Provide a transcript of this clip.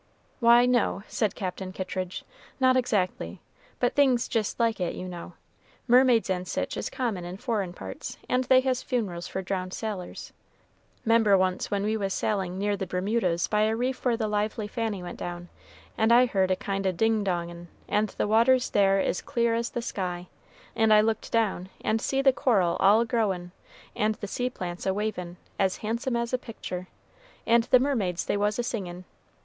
"Why, no," said Captain Kittridge, "not exactly; but things jist like it, you know. Mermaids and sich is common in foreign parts, and they has funerals for drowned sailors. 'Member once when we was sailing near the Bermudas by a reef where the Lively Fanny went down, and I heard a kind o' ding dongin', and the waters there is clear as the sky, and I looked down and see the coral all a growin', and the sea plants a wavin' as handsome as a pictur', and the mermaids they was a singin'.